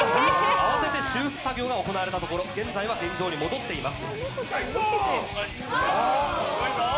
慌てて修復作業が行われたところ、現在は現状に戻っています。